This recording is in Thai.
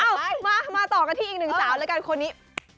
มาต่อกันที่อีกหนึ่งสาวแล้วกันคนนี้